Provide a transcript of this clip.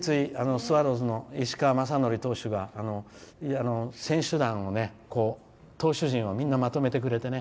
スワローズの石川雅規投手が投手陣をまとめてくれてね。